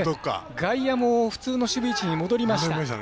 外野も普通の守備位置に戻りました。